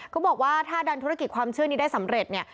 เขาบอกว่าถ้าดันธุรกิจความเชื่อนี้ได้สำเร็จเนี่ย